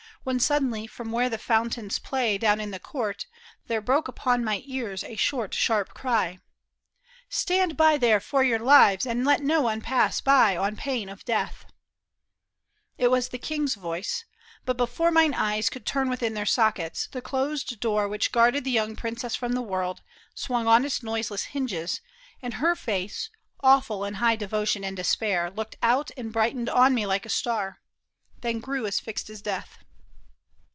When suddenly from where the fountains play Down in the court, there broke upon my ears A short, sharp cry, " Stand by there for your lives, CONFESSION OF THE KING'S MUSKETEER, gt And let no one pass by on pain of death !" It was the king's voice ; but before mine eyes Could turn within their sockets, the closed door Which guarded the young princess from the world, Swung on its noiseless hinges, and her face. Awful in high devotion and despair. Looked out and brightened on me like a star, Then grew as fixed as death.